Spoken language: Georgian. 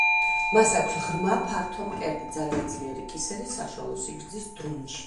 მას აქვს ღრმა, ფართო მკერდი, ძალიან ძლიერი კისერი, საშუალო სიგრძის დრუნჩი.